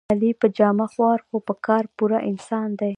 علي په جامه خوار خو په کار پوره انسان دی.